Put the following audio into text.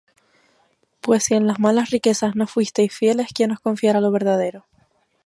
Pues si en las malas riquezas no fuísteis fieles. ¿quién os confiará lo verdadero?